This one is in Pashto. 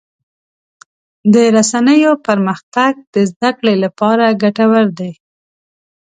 د رسنیو پرمختګ د زدهکړې لپاره ګټور دی.